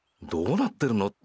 どうなってるの？」